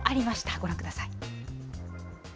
ご覧ください。